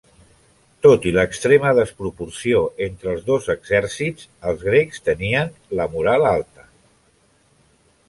Tot i l'extrema desproporció entre els dos exèrcits, els grecs tenien la moral alta.